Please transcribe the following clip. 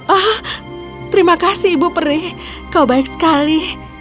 oh terima kasih ibu peri kau baik sekali